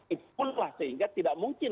itulah sehingga tidak mungkin